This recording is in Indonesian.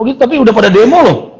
gitu tapi udah pada demo loh